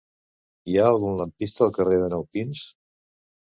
Hi ha algun lampista al carrer de Nou Pins?